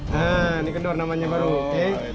nah ini kendor namanya baru oke